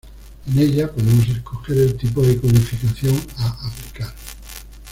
En ella podemos escoger el tipo de codificación a aplicar